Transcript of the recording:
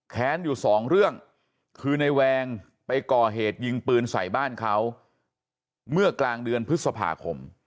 อยู่สองเรื่องคือในแวงไปก่อเหตุยิงปืนใส่บ้านเขาเมื่อกลางเดือนพฤษภาคม